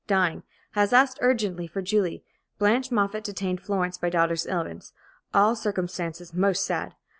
Dying. Has asked urgently for Julie. Blanche Moffatt detained Florence by daughter's illness. All circumstances most sad.